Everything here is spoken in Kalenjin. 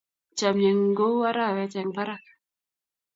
Chamyengun ko u arawet eng bparak